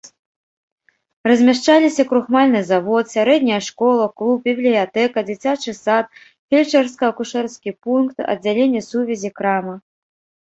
Размяшчаліся крухмальны завод, сярэдняя школа, клуб, бібліятэка, дзіцячы сад, фельчарска-акушэрскі пункт, аддзяленне сувязі, крама.